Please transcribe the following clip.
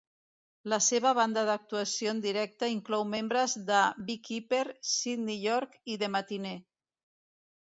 La seva banda d'actuació en directe inclou membres de Beekeeper, Sidney York i The Matinee.